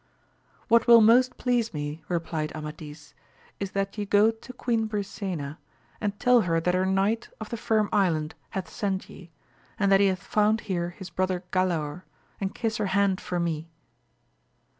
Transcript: What will most please me, replied Amadis, is that ye go to Queen Brisena, and tell her that her knight of the Firm Island hath sent ye, and that he hath found here his brother Galaor, and kiSs her hand for me.